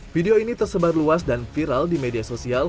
video ini tersebar luas dan viral di media sosial